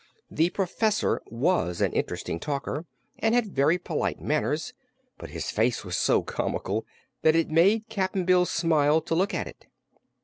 The Professor was an interesting talker and had very polite manners, but his face was so comical that it made Cap'n Bill smile to look at it.